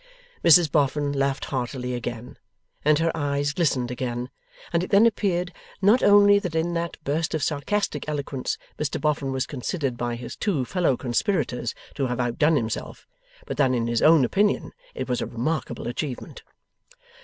Mrs Boffin laughed heartily again, and her eyes glistened again, and it then appeared, not only that in that burst of sarcastic eloquence Mr Boffin was considered by his two fellow conspirators to have outdone himself, but that in his own opinion it was a remarkable achievement.